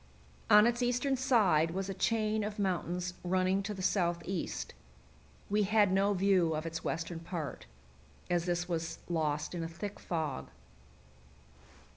On its eastern side was a chain of mountains running to the southeast. We had no view of its western part, as this was lost in a thick fog.